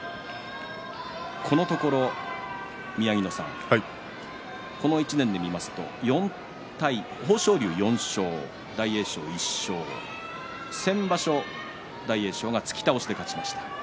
このところ、この１年で見ると豊昇龍４勝、大栄翔１勝先場所大栄翔が突き倒しで勝ちました。